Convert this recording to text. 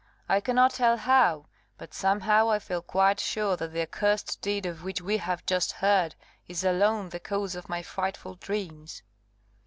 I cannot tell how, but somehow I feel quite sure that the accursed deed of which we have just heard is alone the cause of my frightful dreams."